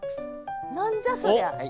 何じゃそりゃ？